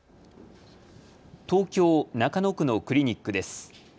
東京中野区のクリニックです。